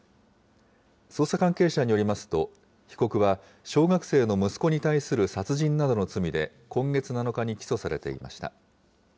捜査関係者によりますと、被告は小学生の息子に対する殺人などの罪で、今月７日に起訴されていました。